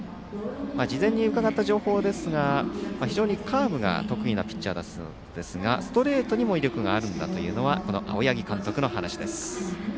事前に伺った情報ですが非常にカーブが得意なピッチャーだそうですがストレートにも威力があるんだというのはこの青柳監督の話です。